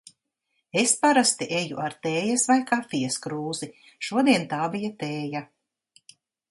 Es parasti eju ar tējas vai kafijas krūzi, šodien tā bija tēja.